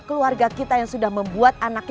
keluarga kita yang sudah membuat anak